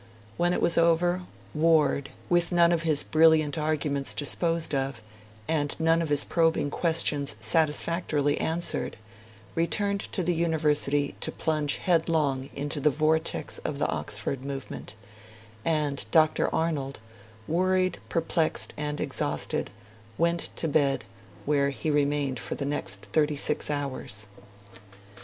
When it was over, Ward, with none of his brilliant arguments disposed of, and none of his probing questions satisfactorily answered, returned to the University to plunge headlong into the vortex of the Oxford Movement; and Dr. Arnold, worried, perplexed, and exhausted, went to bed, where he remained for the next thirty six hours.